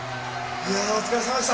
いやお疲れさまでした。